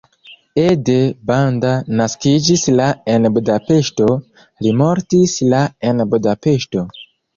Ede Banda naskiĝis la en Budapeŝto, li mortis la en Budapeŝto.